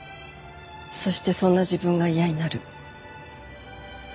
そしてそんな自分が嫌になる。